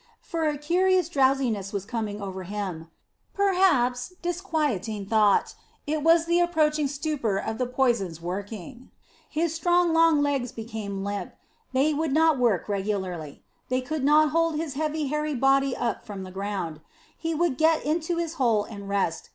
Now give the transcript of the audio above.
For a curious drowsiness was coming over him. Perhaps, disquieting thought, it was the approaching stupor of the poison's working. His strong long legs became limp, they would not work regularly, they could not hold his heavy hairy body up from the ground. He would get into his hole and rest.